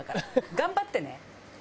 「頑張って」。